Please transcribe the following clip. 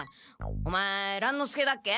お前乱之助だっけ？